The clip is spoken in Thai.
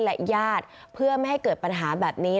และญาติเพื่อไม่ให้เกิดปัญหาแบบนี้